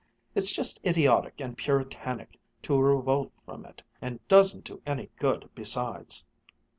It's just idiotic and puritanic to revolt from it and doesn't do any good besides!"